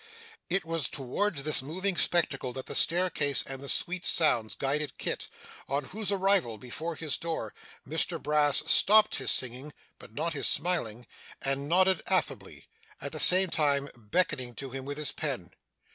It was towards this moving spectacle that the staircase and the sweet sounds guided Kit; on whose arrival before his door, Mr Brass stopped his singing, but not his smiling, and nodded affably: at the same time beckoning to him with his pen.